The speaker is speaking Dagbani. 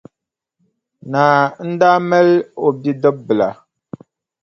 Naa n-daa mali o bidibbila.